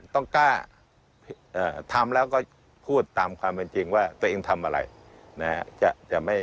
ต้องกล้าทำแล้วก็พูดตามความเป็นจริงว่าตัวเองทำอะไรนะฮะ